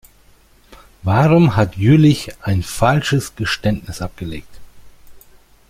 Warum hat Jüllich ein falsches Geständnis abgelegt?